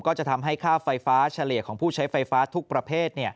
ก็จะทำให้ค่าไฟฟ้าเฉลี่ยของผู้ใช้ไฟฟ้าทุกประเภท